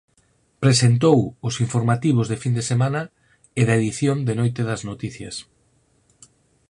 Presentou os informativos de fin de semana e da edición de noite das Noticias.